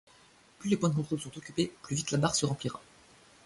Plus les points de contrôles sont occupés, plus vite la barre se remplira.